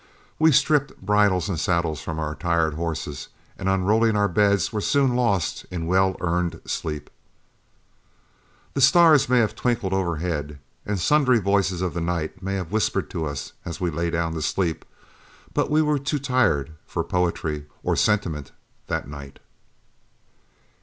We stripped bridles and saddles from our tired horses, and unrolling our beds, were soon lost in well earned sleep. The stars may have twinkled overhead, and sundry voices of the night may have whispered to us as we lay down to sleep, but we were too tired for poetry or sentiment that night.